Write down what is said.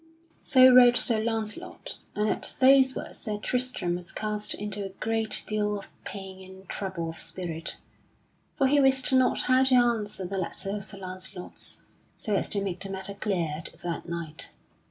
So wrote Sir Launcelot, and at those words Sir Tristram was cast into a great deal of pain and trouble of spirit; for he wist not how to answer that letter of Sir Launcelot's so as to make the matter clear to that knight.